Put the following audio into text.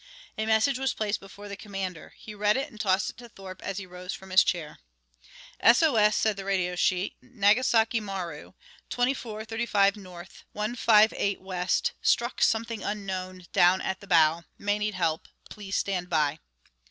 A message was placed before the commander. He read it and tossed it to Thorpe as he rose from his chair. "S.O.S.," said the radio sheet, "Nagasaki Maru, twenty four thirty five N., one five eight West. Struck something unknown. Down at the bow. May need help. Please stand by."